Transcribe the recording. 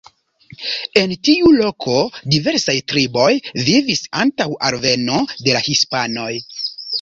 En tiu loko diversaj triboj vivis antaŭ alveno de la hispanoj.